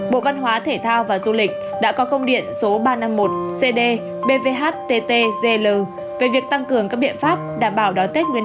bộ văn hóa thể thao và du lịch đã có công điện số ba trăm năm mươi một cd bvhttg về việc tăng cường các biện pháp đảm bảo đón tết nguyên đán